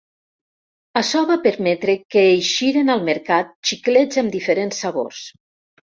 Açò va permetre que eixiren al mercat xiclets amb diferents sabors.